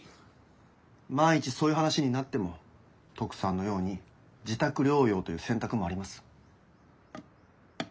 万一そういう話になってもトクさんのように自宅療養という選択もあります。